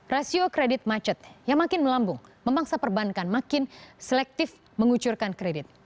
rasio kredit macet yang makin melambung memaksa perbankan makin selektif mengucurkan kredit